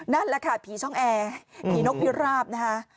นั่นแหละค่ะผีช่องแอร์ผีนกพิราบนะคะ